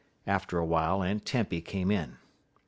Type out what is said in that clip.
After a while Aunt Tempy came in.